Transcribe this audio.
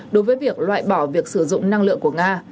đối với việc loại bỏ việc sử dụng năng lượng của nga